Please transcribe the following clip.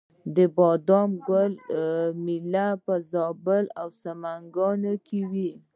د بادام ګل میله په زابل او سمنګان کې وي.